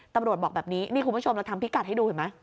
บอกแบบนี้นี่คุณผู้ชมเราทำพิกัดให้ดูเห็นไหม